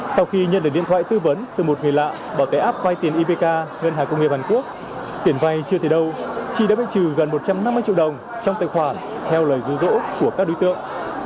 sau khi nhận được điện thoại tư vấn từ một người lạ bảo tế app vay tiền ipk ngân hà công nghiệp hàn quốc tiền vay chưa thể đâu chị đã bị trừ gần một trăm năm mươi triệu đồng trong tài khoản theo lời rô rỗ của các đối tượng